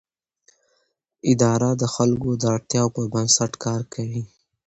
اداره د خلکو د اړتیاوو پر بنسټ کار کوي.